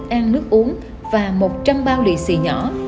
thức ăn nước uống và một trăm linh bao lị xị nhỏ